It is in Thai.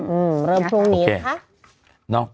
อืมเริ่มพรุ่งนี้ค่ะ